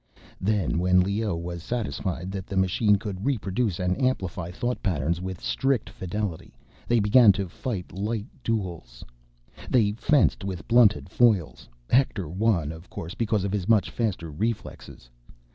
Then, when Leoh was satisfied that the machine could reproduce and amplify thought patterns with strict fidelity, they began to fight light duels. They fenced with blunted foils—Hector won, of course, because of his much faster reflexes.